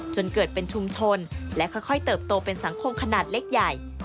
จนเกิดเป็นชุมชนและค่อยเติบโตเป็นสังคมขนาดเล็กใหญ่